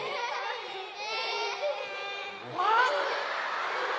あっ！